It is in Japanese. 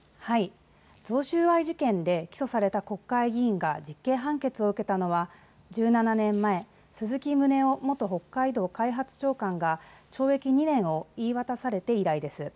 贈収賄事件で起訴された国会議員が実刑判決を受けたのは１７年前、鈴木宗男元北海道開発庁長官が懲役２年を言い渡されて以来です。